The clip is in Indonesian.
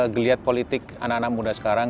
geliat politik anak anak muda sekarang